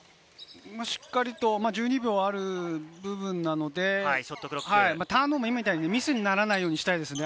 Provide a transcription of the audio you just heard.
しっかりと１２秒ある部分なので、ミスにならないようにしたいですね。